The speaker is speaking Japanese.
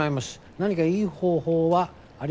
「何かいい方法はありますか？」